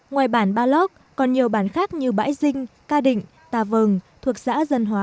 ngoài bản barlog còn nhiều bản khác như bãi dinh ca định tà vờng thuộc xã dân hóa